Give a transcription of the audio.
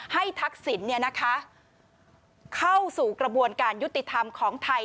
ทักษิณเข้าสู่กระบวนการยุติธรรมของไทย